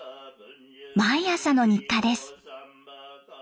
毎朝の日課です。